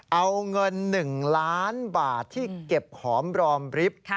เอาเงินหนึ่งล้านบาทที่เก็บของรอบริฟต์